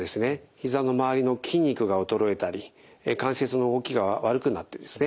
ひざの周りの筋肉が衰えたり関節の動きが悪くなってですね